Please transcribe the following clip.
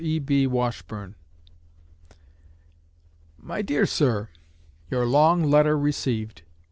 E.B. WASHBURNE My Dear Sir: Your long letter received.